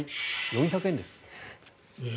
４００円です。